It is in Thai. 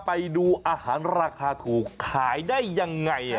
ไปดูอาหารราคาถูกขายได้ยังไง